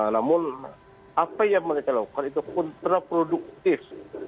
namun apa yang mereka lakukan itu kontraproduktif